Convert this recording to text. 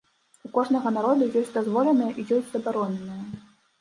У кожнага народа ёсць дазволенае і ёсць забароненае.